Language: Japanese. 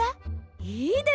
いいですね！